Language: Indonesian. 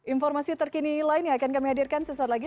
informasi terkini lain yang akan kami hadirkan sesaat lagi